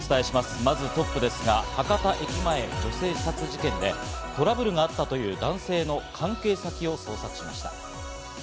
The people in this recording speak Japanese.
まずトップですが、博多駅前・女性刺殺事件でトラブルがあったという男性の関係先を捜索しました。